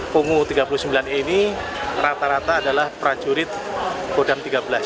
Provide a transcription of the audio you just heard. kungu tiga puluh sembilan ini rata rata adalah prajurit kodam tiga belas